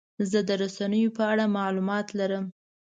زه د رسنیو په اړه معلومات لرم.